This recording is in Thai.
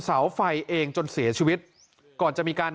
ส่งมาขอความช่วยเหลือจากเพื่อนครับ